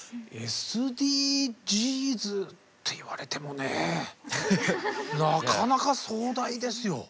ＳＤＧｓって言われてもねなかなか壮大ですよ。